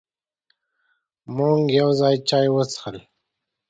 مونږ یو ځای چای وڅښل.